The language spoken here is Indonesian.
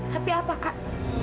tapi apa kak